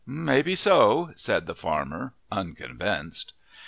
"May be so," said the farmer, unconvinced.